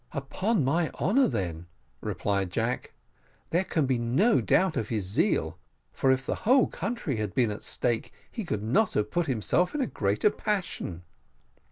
"Upon my honour, then," replied Jack, "there can be no doubt of his zeal; for if the whole country had been at stake, he could not have put himself in a greater passion."